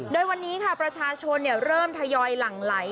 โดยวันนี้ค่ะประชาชนเริ่มทยอยหลั่งไหล